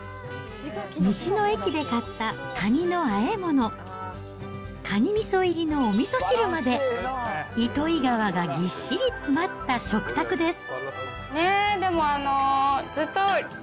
道の駅で買ったカニのあえ物、カニみそ入りのおみそ汁まで、糸魚川がぎっしり詰まった食卓です